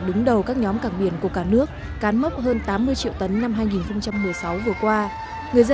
đứng đầu các nhóm cảng biển của cả nước cán mốc hơn tám mươi triệu tấn năm hai nghìn một mươi sáu vừa qua người dân